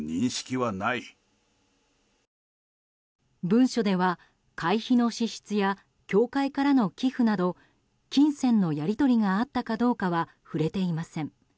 文書では、会費の支出や教会からの寄付など金銭のやり取りがあったかどうかは触れていません。